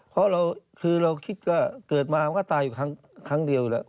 เพราะเราคิดว่าเกิดมาก็ตายอยู่ครั้งเดียวอยู่แล้ว